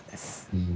うん。